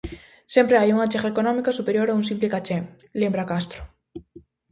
"Sempre hai unha achega económica superior a un simple caché", lembra Castro.